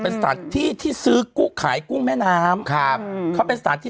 เป็นสถานที่ที่ซื้อกุ้งขายกุ้งแม่น้ำครับเขาเป็นสถานที่